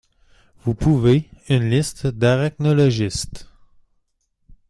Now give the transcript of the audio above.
Vous pouvez une liste d'arachnologistes.